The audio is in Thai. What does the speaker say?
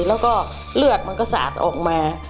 แล้วก็เลือดมันก็สาดออกมา